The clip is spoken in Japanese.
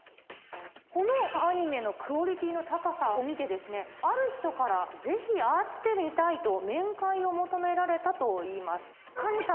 このアニメのクオリティーの高さを見てある人から「ぜひ会ってみたい」と面会を求められたといいます。